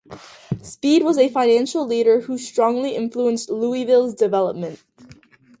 Speed was a financial leader who strongly influenced Louisville's development.